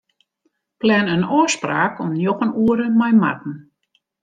Plan in ôfspraak om njoggen oere mei Marten.